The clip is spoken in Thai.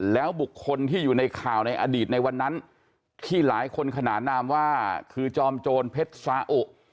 แล้วบุคคลที่อยู่ในข่าวในอดีตในวันนั้นที่หลายคนขนานนามว่าคือจอมโจรเพชรสาอุ